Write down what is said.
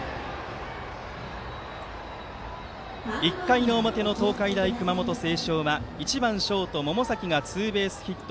１回の表の東海大熊本星翔は１番ショート、百崎がツーベースヒット。